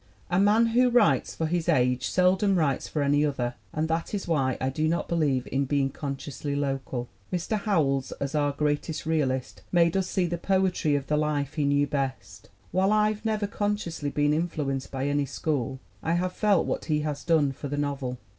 "A man who writes for his age seldom writes for any other. And that is why I do not believe in being consciously local. Mr. Howells, as our greatest realist, made us see the poetry of the life he knew best. While I've never consciously been influenced by any school, I have felt what he has done for the novel.